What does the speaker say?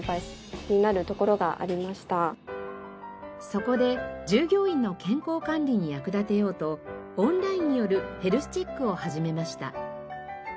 そこで従業員の健康管理に役立てようとオンラインによるヘルスチェックを始めました。